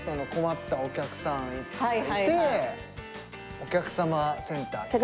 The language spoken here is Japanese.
困ったお客さんいてお客様センター。